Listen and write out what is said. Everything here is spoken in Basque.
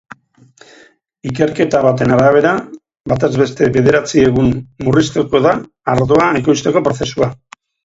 Ikerketa baten arabera, batez beste bederatzi egun murriztuko da ardoa ekoizteko prozesua.